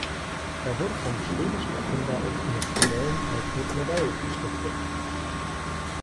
Er wurde vom schwedischen Erfinder und Industriellen Alfred Nobel gestiftet.